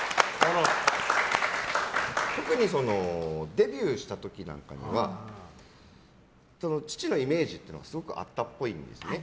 特にデビューした時なんかには父のイメージというのがすごくあったっぽいんですね。